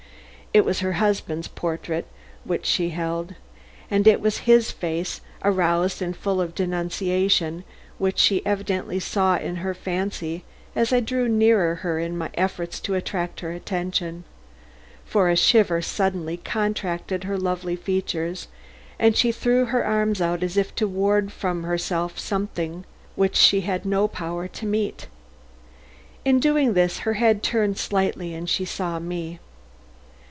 It was her husband's portrait which she held, and it was his face, aroused and full of denunciation, which she evidently saw in her fancy as I drew nearer her in my efforts to attract her attention; for a shiver suddenly contracted her lovely features and she threw her arms out as if to ward from herself something which she had no power to meet. In doing this her head turned slightly and she saw me.